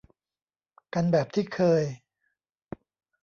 กันแบบที่เคย